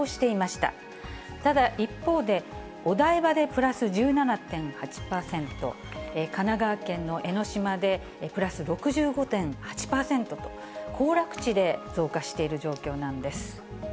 ただ一方で、お台場でプラス１７．８％、神奈川県の江の島でプラス６５．８％と、行楽地で増加している状況なんです。